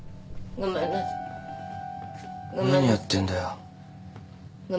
何やってんだよ。